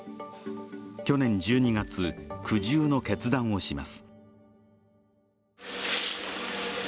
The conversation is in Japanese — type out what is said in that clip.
去年１２月、苦渋の決断をします。